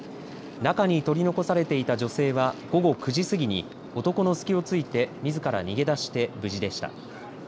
中に取り残されていた女性は午後９時過ぎに男の隙を突いてみずから逃げ出して無事でした。